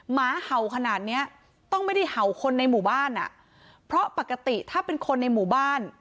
หมาเห่าขนาดเนี้ยต้องไม่ได้เห่าคนในหมู่บ้านอ่ะเพราะปกติถ้าเป็นคนในหมู่บ้าน